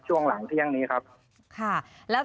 ช่วงหลังเที่ยงนี้ครับ